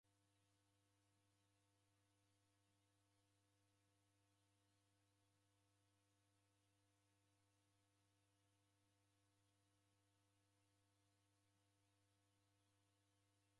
Kula nyamandu ya isakenyi eko na irina jape.